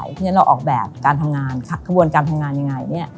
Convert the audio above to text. เพราะฉะนั้นเราออกแบบการทำงานขบวนการทำงานยังไง